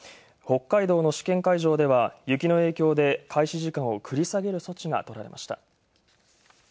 北海道の試験会場では、雪の影響で開始時間を繰り下げる措置がとられました。